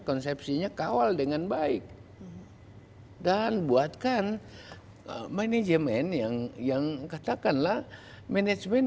konsepsinya kawal dengan baik dan buatkan manajemen yang yang katakanlah manajemen